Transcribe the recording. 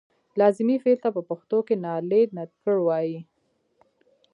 لازمي فعل ته په پښتو کې نالېږندکړ وايي.